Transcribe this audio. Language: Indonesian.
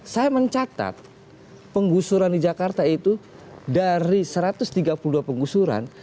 saya mencatat penggusuran di jakarta itu dari satu ratus tiga puluh dua penggusuran